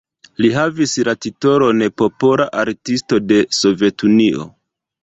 Li havis la titolon Popola Artisto de Sovetunio.